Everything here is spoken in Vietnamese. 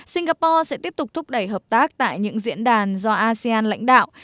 singapore sẽ tiếp tục thúc đẩy hợp tác tại những diễn đàn do asean lãnh đạo